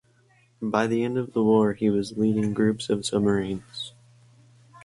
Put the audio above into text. By the end of the war he was leading groups of submarines.